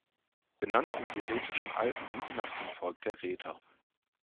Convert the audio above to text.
Benannt sind die Rätischen Alpen nach dem Volk der Räter.